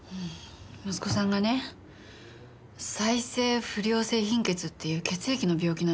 息子さんがね再生不良性貧血っていう血液の病気なの。